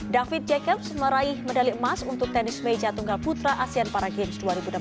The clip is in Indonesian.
david jacobs meraih medali emas untuk tenis meja tunggal putra asean para games dua ribu delapan belas